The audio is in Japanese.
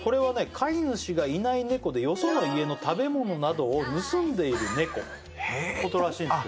飼い主がいない猫でよその家の食べ物などを盗んでいる猫ことらしいんですよ